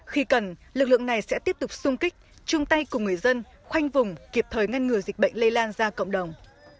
khi cần lực lượng này sẽ tiếp tục sung kích chung tay cùng người dân khoanh vùng kịp thời ngăn ngừa dịch bệnh lây lan ra cộng đồng